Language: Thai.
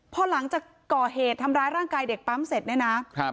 พอหลังจากก่อเหตุทำร้ายร่างกายเด็กปั๊มเสร็จเนี่ยนะครับ